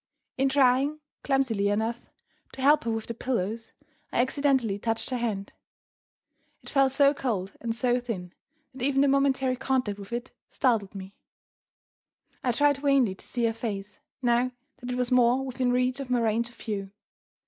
In trying (clumsily enough) to help her with the pillows, I accidentally touched her hand. It felt so cold and so thin, that even the momentary contact with it startled me. I tried vainly to see her face, now that it was more within reach of my range of view.